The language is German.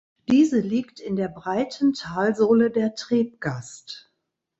Diese liegt in der breiten Talsohle der Trebgast.